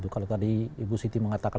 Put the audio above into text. kalau tadi ibu siti mengatakan